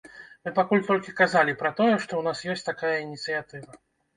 Мы пакуль толькі казалі пра тое, што ў нас ёсць такая ініцыятыва.